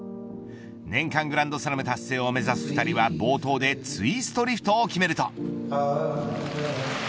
年間グランドスラム達成を目指す２人は冒頭でツイストリフトを決めると。